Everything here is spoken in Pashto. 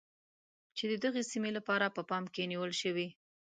چې د دغې سیمې لپاره په پام کې نیول شوی.